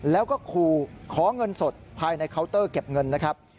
แล้วก็ขู่ขอเงินสดภายในเคาน์เตอร์เก็บเงินนะครับ